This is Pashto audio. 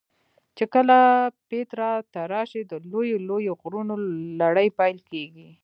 چې کله پیترا ته راشې د لویو لویو غرونو لړۍ پیل کېږي.